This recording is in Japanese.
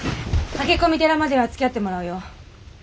駆け込み寺まではつきあってもらうよ。